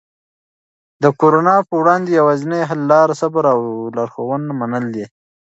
د کرونا په وړاندې یوازینی حل لاره صبر او د لارښوونو منل دي.